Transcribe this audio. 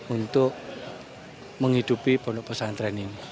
untuk menghidupi pondok pesantren ini